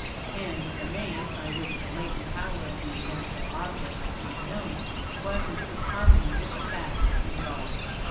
Hence, the name, by which the latent power of these natural objects became known, was in strict harmony with the facts involved.